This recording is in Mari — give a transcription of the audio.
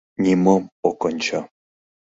Нимом ок ончо.